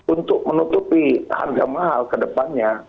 untuk menutupi harga mahal kedepannya